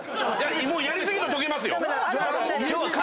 やり過ぎると溶けますよ。